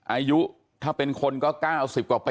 อายุถ้าเป็นคนก็๙๐กว่าปี